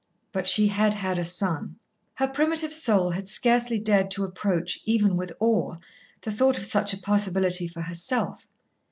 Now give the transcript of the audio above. But she had had a son. Her primitive soul had scarcely dared to approach, even with awe, the thought of such a possibility for herself.